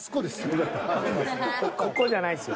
ここじゃないですよ。